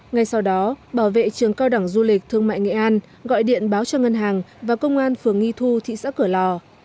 ngay sau đó bảo vệ trường cao đẳng du lịch thương mại nghệ an gọi điện báo cho ngân hàng và công an phường nghi thu thị xã cửa lò